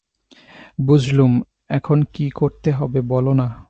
বুঝলুম, এখন কী করতে হবে বলো-না।